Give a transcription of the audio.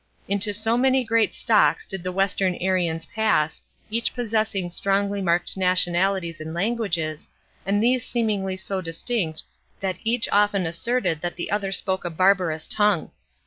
Into so many great stocks did the Western Aryans pass, each possessing strongly marked nationalities and languages, and these seemingly so distinct that each often asserted that the other spoke a barbarous tongue.